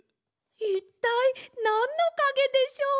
いったいなんのかげでしょう！？